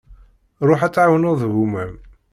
Ruḥ ad tɛawneḍ gma-m.